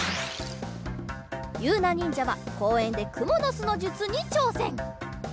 ゆうなにんじゃはこうえんでくものすのじゅつにちょうせん。